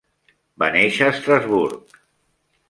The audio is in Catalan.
Va néixer a Estrasburg.